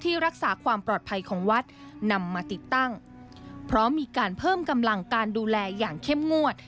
รักษาความปลอดภัยของวัดนำมาติดตั้งเพราะมีการเพิ่มกำลังการดูแลอย่างเข้มงวด